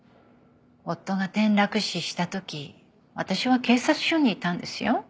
夫が転落死した時私は警察署にいたんですよ。